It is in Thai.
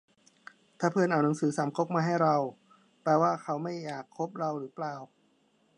ถ้าเพื่อนเอาหนังสือสามก๊กมาให้เรา แปลว่าเขาไม่อยากคบเราหรือเปล่า